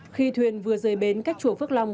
khi thuyền vừa rơi bến cách chùa phước long